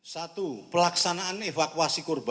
satu pelaksanaan evakuasi korban